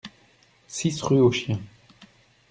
six rue Aux Chiens